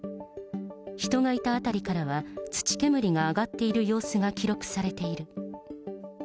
人がいた辺りからは、土煙が上がっている様子が記録されている。